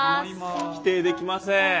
否定できません。